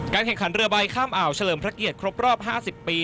แข่งขันเรือใบข้ามอ่าวเฉลิมพระเกียรติครบรอบ๕๐ปี